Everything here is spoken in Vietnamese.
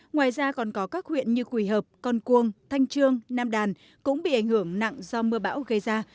ngoài ra còn có các huyện như quỳ hợp con cuông thanh trương nam đàn cũng bị ảnh hưởng nặng do mưa bão gây ra